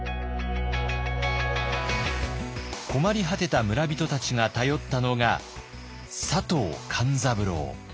困り果てた村人たちが頼ったのが佐藤勘三郎。